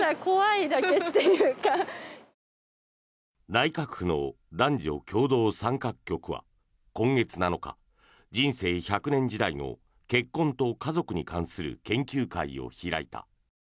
内閣府の男女共同参画局は今月７日人生１００年時代の結婚と家族に関する研究会を開いた。